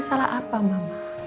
salah apa mama